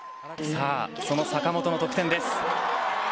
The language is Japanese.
坂本の得点です。